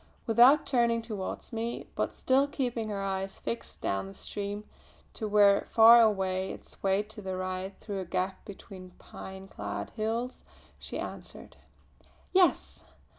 Without turning towards me, but still keeping her eyes fixed down the stream to where far away it swayed to the right through a gap between pine clad hills she answered: "Yes!